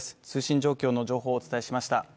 通信状況の情報をお伝えしました。